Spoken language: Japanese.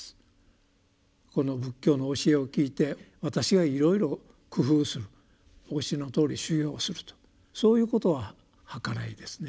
この仏教の教えを聞いて私がいろいろ工夫するお教えのとおり修行をするとそういうことははからいですね。